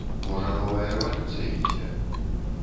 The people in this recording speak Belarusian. Можа, новая рэвалюцыя ідзе.